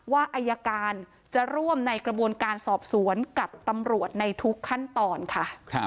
ว่าอายการจะร่วมในกระบวนการสอบสวนกับตำรวจในทุกขั้นตอนค่ะ